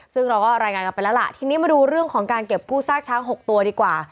ซึ่งเราก็รายงานกันไปแล้วล่ะทีนี้มาดูเรื่องของการเก็บกู้ซากช้าง๖ตัวดีกว่า